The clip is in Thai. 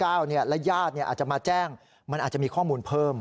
และญาติอาจจะมาแจ้งมันอาจจะมีข้อมูลเพิ่ม